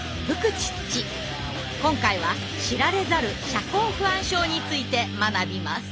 今回は知られざる「社交不安症」について学びます。